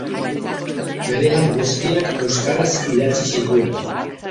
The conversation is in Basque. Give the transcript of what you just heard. Bere lan guztiak euskaraz idatzi zituen.